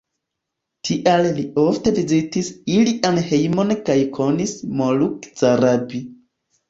Tial li ofte vizitis ilian hejmon kaj konis Moluk Zarabi.